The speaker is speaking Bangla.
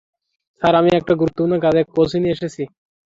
স্যার, আমি একটা গুরুত্বপূর্ণ কাজে কোচিনে এসেছি।